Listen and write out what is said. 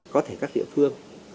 có thể các địa phương